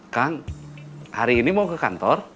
kang hari ini mau ke kantor